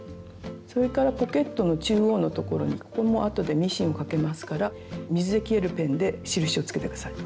それからポケットの中央のところにここもあとでミシンをかけますから水で消えるペンで印をつけて下さい。